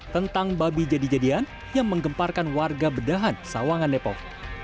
tentang babi jadi jadian yang menggemparkan warga bedahan sawangan depok